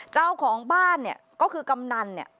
เจ้าของบ้านเนี่ยก็คือกำนันเนี่ย